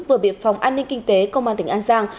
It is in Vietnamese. vừa bị phòng an ninh kinh tế công an tỉnh an giang